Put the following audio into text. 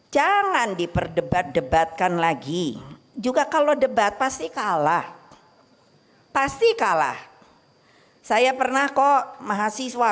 jangan diperdebat debatkan lagi juga kalau debat pasti kalah pasti kalah saya pernah kok mahasiswa